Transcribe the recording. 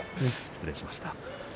失礼しました。